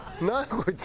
こいつ。